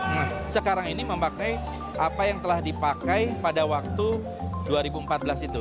nah sekarang ini memakai apa yang telah dipakai pada waktu dua ribu empat belas itu